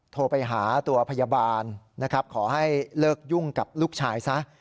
โทรไปหาตัวพยาบาลนะครับขอให้เลิกยุ่งกับลูกชายซะ